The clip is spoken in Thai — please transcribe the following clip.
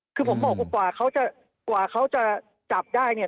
คือผมบอกว่ากว่าเขาจะจับได้เนี่ย